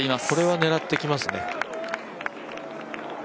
これは狙ってきますね。